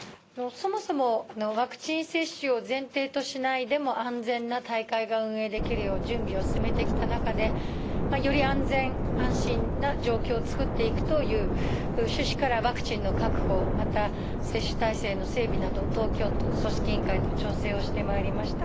そもそもワクチン接種を前提としないでも安全な大会が運営できるよう、準備を進めてきた中で、より安全・安心な状況を作っていくという趣旨からワクチンの確保、また接種体制の整備など、東京都、組織委員会と調整をしてまいりました。